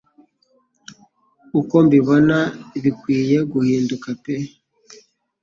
ukombibona biwkiye guhinduka peeee